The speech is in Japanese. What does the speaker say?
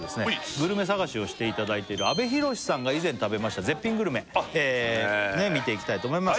グルメ探しをしていただいてる阿部寛さんが以前食べました絶品グルメ見ていきたいと思います